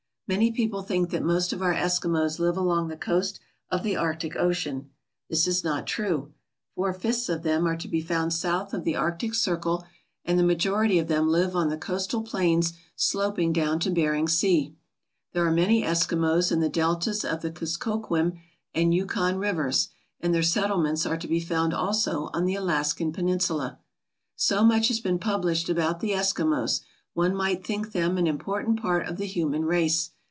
Many people think that most of our Eskimos live along the coast of the Arctic Ocean. This is not true. Four fifths of them are to be found south of the Arctic Circle and the majority of them live on the coastal plains sloping down to Bering Sea. There are many Eskimos in the deltas of the Kuskokwim and Yukon rivers and their settlements are to be found also on the Alaskan Peninsula. So much has been published about the Eskimos, one might think them an important part of the human race.